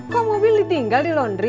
kok mobil ditinggal di laundry